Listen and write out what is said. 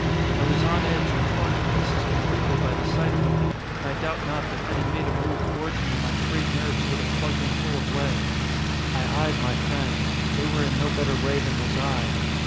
I was on edge and torn to pieces completely by the sight of the man, and I doubt not that had he made a move towards me my frayed nerves would have plugged him full of lead. I eyed my friends. They were in no better way than was I.